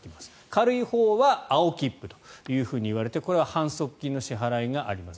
軽いほうは青切符といわれて、これは反則金の支払いがあります。